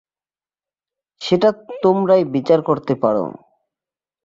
সেটা তোমরাই বিচার করতে পারো।